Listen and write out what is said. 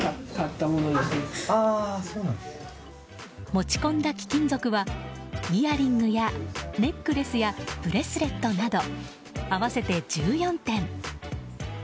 持ち込んだ貴金属はイヤリングやネックレスやブレスレットなど合わせて１４点。